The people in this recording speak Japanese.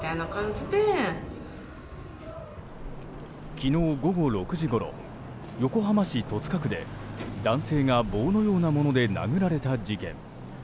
昨日午後６時ごろ横浜市戸塚区で男性が棒のようなもので殴られた事件。